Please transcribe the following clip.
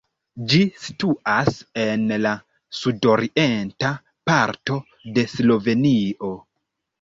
Ĝi situas en la sudorienta parto de Slovenio.